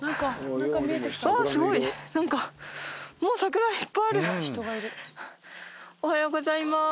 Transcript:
すごい！おはようございます。